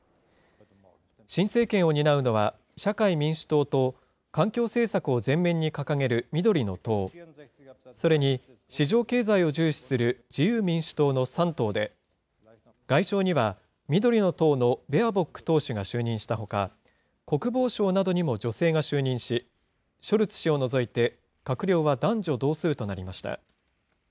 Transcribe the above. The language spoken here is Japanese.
新政権を担うのは、社会民主党と環境政策を前面に掲げる緑の党、それに市場経済を重視する自由民主党の３党で、外相には緑の党のベアボック党首が就任したほか、国防相などにも女性が就任し、ショルツ氏を除いて閣僚は男女同数となりました。